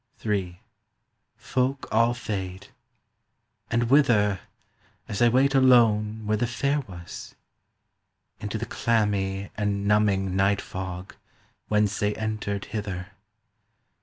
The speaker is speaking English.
III Folk all fade. And whither, As I wait alone where the fair was? Into the clammy and numbing night fog Whence they entered hither.